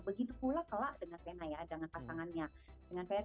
begitu pula kalau dengan fena ya dengan pasangannya